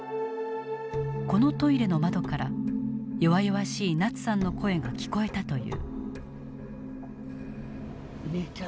このトイレの窓から弱々しいナツさんの声が聞こえたと言う。